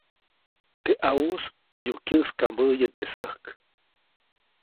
Teʼ ʼawuʼis ʼoyu kyäʼskaʼmbäʼäye teʼ säjk.